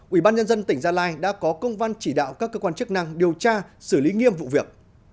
ubnd tỉnh gia lai đã có công văn chỉ đạo các cơ quan chức năng điều tra xử lý nghiêm vụ việc